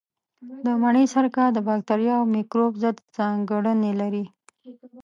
د مڼې سرکه د باکتریا او مېکروب ضد ځانګړنې لري.